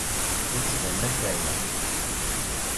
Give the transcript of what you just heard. La d-ttbanen akk ɛyan.